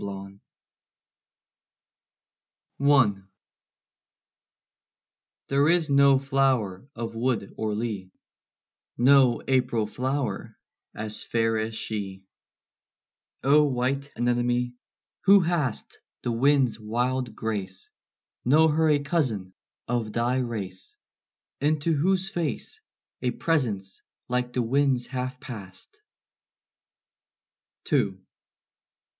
KINSHIP I. There is no flower of wood or lea, No April flower, as fair as she: O white anemone, who hast The wind's wild grace, Know her a cousin of thy race, Into whose face A presence like the wind's hath passed. II.